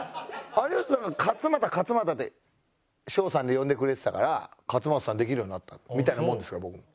有吉さんが「勝俣勝俣」って翔さんで呼んでくれてたから勝俣さんできるようになったみたいなもんですから僕。